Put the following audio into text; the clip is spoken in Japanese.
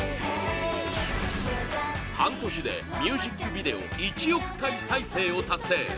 半年でミュージックビデオ１億回再生を達成